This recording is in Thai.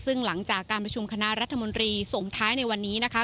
ซึ่งหลังจากการประชุมคณะรัฐมนตรีส่งท้ายในวันนี้นะคะ